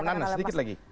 bang nana sedikit lagi